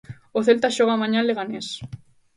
O Celta xoga mañá en Leganés.